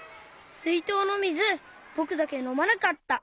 すいとうのみずぼくだけのまなかった。